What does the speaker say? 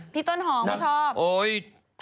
พี่ต้นหอมไม่ชอบ